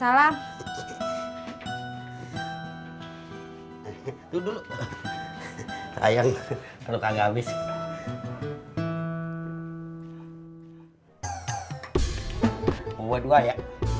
hai duduk ayam lu kagak abis buat gua ya